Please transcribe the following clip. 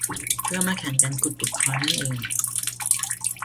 เพื่อมาแข่งกันขุดบิตคอยน์นั่นเอง